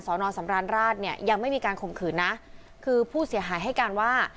นอนสำราญราชเนี่ยยังไม่มีการข่มขืนนะคือผู้เสียหายให้การว่า